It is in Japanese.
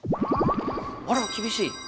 あら厳しい！